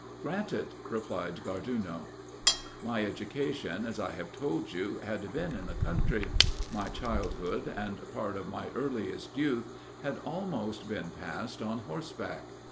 "'Granted,' replied Garduno." "My education, as I have told you, had been in the country. My childhood, and part of my earliest youth, had almost been passed on horseback.